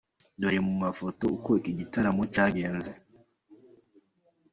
Dore mu Mafoto uko iki gitaramo cyagenze:.